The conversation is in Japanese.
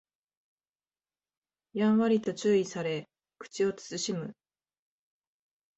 やんわりと注意され口を慎む